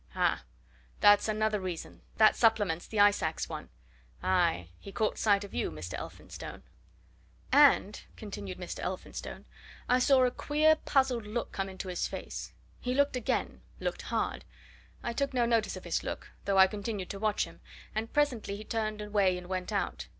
"Ah! that's another reason that supplements the ice ax one! Aye! he caught sight of you, Mr. Elphinstone " "And," continued Mr. Elphinstone, "I saw a queer, puzzled look come into his face. He looked again looked hard. I took no notice of his look, though I continued to watch him, and presently he turned away and went out.